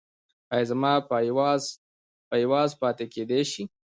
ایا زما پایواز پاتې کیدی شي؟